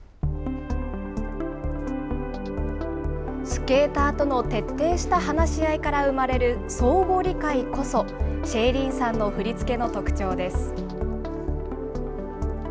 スケーターとの徹底した話し合いから生まれる相互理解こそ、シェイリーンさんの振り付けの特徴です。